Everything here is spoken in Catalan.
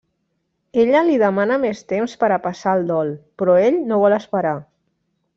Ella li demana més temps per a passar el dol, però ell no vol esperar.